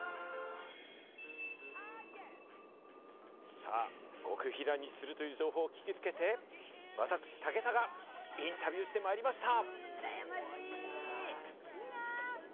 さあ極秘来日するという情報を聞きつけて私、武田がインタビューしてまいりました。